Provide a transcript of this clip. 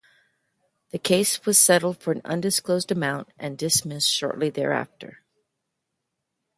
The case was settled for an undisclosed amount and dismissed shortly thereafter.